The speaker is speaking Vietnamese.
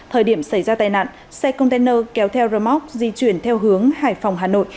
thời điểm xảy ra tai nạn xe container kéo theo rơ móc di chuyển theo hướng hải phòng hà nội